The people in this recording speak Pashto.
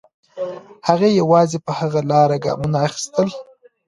هغې یوازې په هغه لاره ګامونه اخیستل.